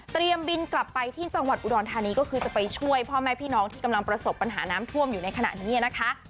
บินกลับไปที่จังหวัดอุดรธานีก็คือจะไปช่วยพ่อแม่พี่น้องที่กำลังประสบปัญหาน้ำท่วมอยู่ในขณะนี้นะคะ